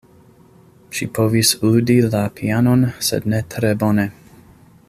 Ŝi povis ludi la pianon, sed ne tre bone.